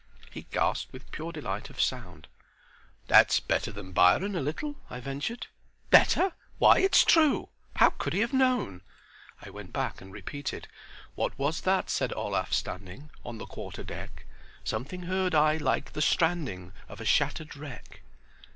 He gasped with pure delight of sound. "That's better than Byron, a little," I ventured. "Better? Why it's true! How could he have known?" I went back and repeated: "'What was that?' said Olaf, standing On the quarter deck, 'Something heard I like the stranding Of a shattered wreck.'"